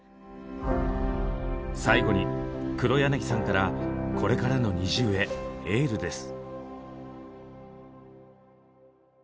最後に黒柳さんからこれからのＮｉｚｉＵへエールです。